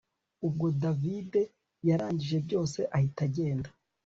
ubwo davide yarangije byose ahita agenda